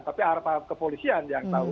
tapi aparat kepolisian yang tahu